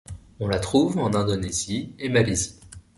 On la trouve en Indonésie et Malaisie.